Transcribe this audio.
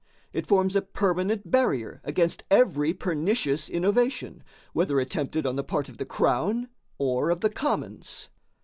It forms a permanent barrier against every pernicious innovation, whether attempted on the part of the crown or of the commons."